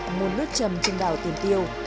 nguồn nước trầm trên đảo tìm tiêu